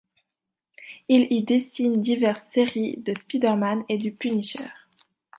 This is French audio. Il y dessine diverses séries de Spider-Man et du Punisher.